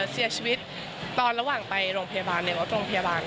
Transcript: เสียชีวิตตอนระหว่างไปโรงพยาบาลในรถโรงพยาบาล